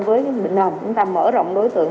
chúng ta mở rộng đối tượng